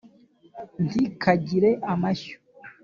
nti : kagire amashyo